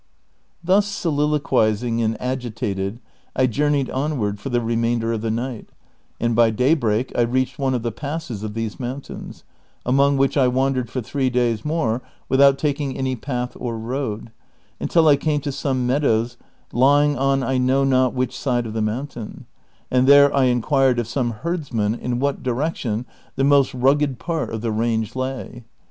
Thus soliloquizing and agitated, I journeyed onward for tlu; re mainder of the night, and by daybreak I reached one of the [lasses of these mountains, among which I wandered for three days more without taking any path or road, until I came to some meadows lying on I know not which side of the mountains, and there I in quired of some herdsmen in what direction the most rugged part 224 DON QUIXOTE. of the range lay.